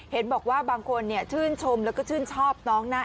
เห็นบอกว่าบางคนชื่นชมแล้วก็ชื่นชอบน้องนะ